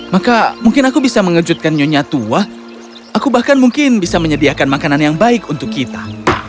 maka mungkin aku bisa mengejutkan nyonya tua aku bahkan mungkin bisa menyediakan makanan yang baik untuk kita